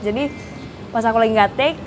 jadi pas aku lagi gak take